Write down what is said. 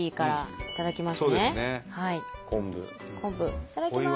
いただきます。